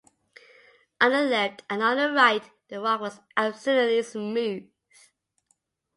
On the left and on the right the rock was absolutely smooth.